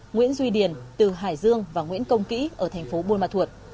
nguyễn duy điền từ hải dương và nguyễn công kĩ ở thành phố buôn ma thuật